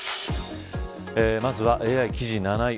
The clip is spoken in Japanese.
まずは、ＡＩ記事７位。